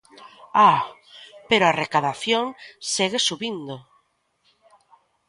¡Ah, pero a recadación segue subindo!